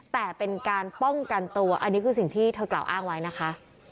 แต่เป็นการป้องกันตัวอันนี้คือสิ่งที่เธอกล่าวอ้างไว้นะคะ